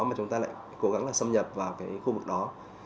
mà chúng ta lại cố gắng là xâm nhập vào cái khu vực đó